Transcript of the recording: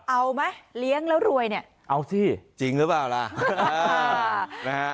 เอาไหมเลี้ยงแล้วรวยเนี่ยเอาสิจริงหรือเปล่าล่ะ